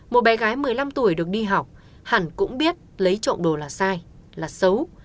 một bé gái một mươi năm tuổi được đi học hẳn cũng biết lấy trộm đồ là sai là xấu